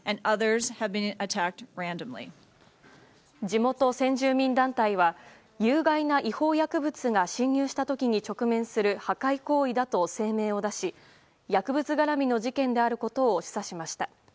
地元先住民団体は有害な違法薬物が侵入した時に直面する破壊行為だと声明を出し薬物絡みの事件であることを示唆しました。